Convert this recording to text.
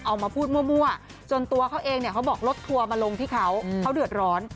เอามาพูดมั่วจนตัวเขาเองเนี่ยเขาบอกรถทัวร์มาลงที่เขาเขาเดือดร้อน